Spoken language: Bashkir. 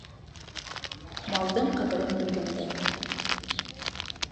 Малдың ҡәҙерен бөлгәндә